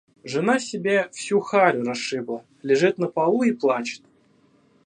Жена себе всю харю расшибла, лежит на полу и плачет.